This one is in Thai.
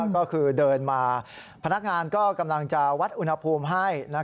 ก็คือเดินมาพนักงานก็กำลังจะวัดอุณหภูมิให้